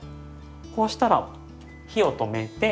こうしたら火を止めて。